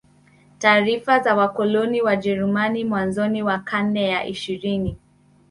Taarifa za wakoloni Wajeruami mwanzoni wa karne ya ishirini